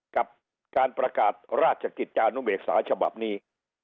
กับการประกาศราชกิจจานุเบกษาฉบับนี้